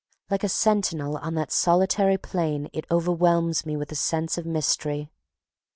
Like a sentinel on that solitary plain it overwhelms me with a sense of mystery.